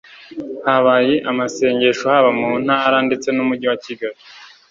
habaye amasengesho haba mu ntara ndetse n'umujyi wa kigali